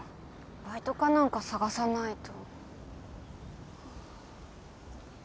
バイトか何か探さないと。